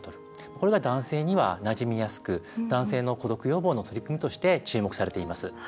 これが男性には、なじみやすく男性の孤独予防の取り組みとして注目されています。